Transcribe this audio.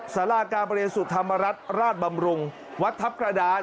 สาราการประเรียนสุธรรมรัฐราชบำรุงวัดทัพกระดาน